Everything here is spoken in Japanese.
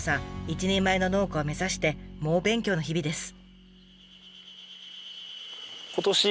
一人前の農家を目指して猛勉強の日々です。